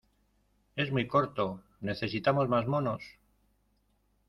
¡ Es muy corto! ¡ necesitamos más monos !